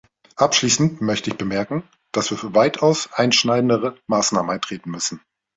Abschließend möchte ich bemerken, dass wir für weitaus einschneidendere Maßnahmen eintreten müssen.